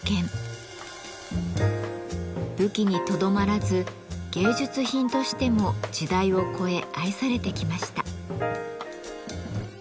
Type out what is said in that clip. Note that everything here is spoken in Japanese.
武器にとどまらず芸術品としても時代を越え愛されてきました。